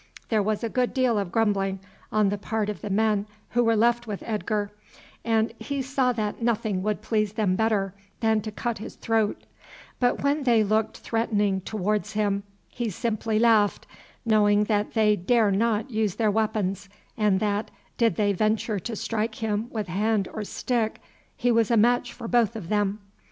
There was a good deal of grumbling on the part of the men who were left with Edgar, and he saw that nothing would please them better than to cut his throat; but when they looked threatening towards him, he simply laughed, knowing that they dare not use their weapons, and that, did they venture to strike him with hand or stick, he was a match for both of them.